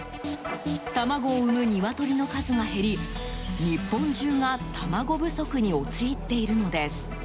卵を産む鶏の数が減り日本中が卵不足に陥っているのです。